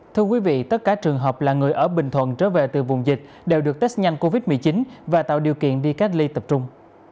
thưa quý vị tất cả trường hợp là người ở bình thuận trở về từ vùng dịch đều được test nhanh covid một mươi chín và tạo điều kiện đi cách ly tập trung